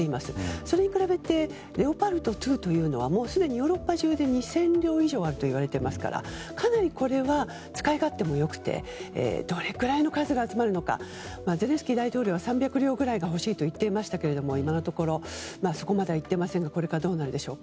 それに比べてレオパルト２はすでにヨーロッパ中で２０００両以上あるといわれていますからかなりこれは使い勝手もよくてどらぐらいの数が集まるのかゼレンスキー大統領は３００両くらい欲しいと言っていましたが今のところそこまではいっていませんがこれからどうなるでしょうか。